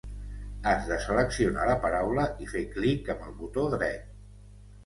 Has de seleccionar la paraula i fer clic amb el botó dret.